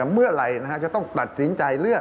เมื่อไหร่จะต้องตัดสินใจเลือก